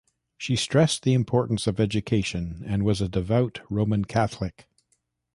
She stressed the importance of education and was a devout Roman Catholic.